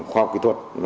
khoa học kỹ thuật